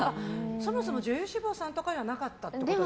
そもそも女優志望さんとかじゃなかったってことですか？